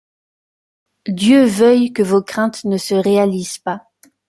Dieu veuille que vos craintes ne se réalisent pas.